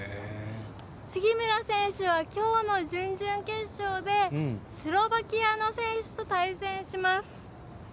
杉村選手は、きょうの準々決勝でスロバキアの選手と対戦します。